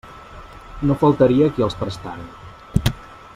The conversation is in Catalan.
No faltaria qui els prestara.